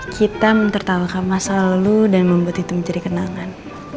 kita mentertawakan masa lalu dan membuat itu menjadi kenangan